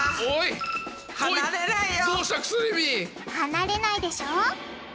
離れないでしょう？